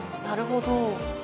なるほど。